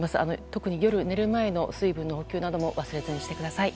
特に夜寝る前の水分補給なども忘れずにしてください。